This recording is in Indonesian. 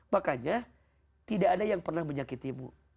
makanya tidak ada yang pernah menyakitimu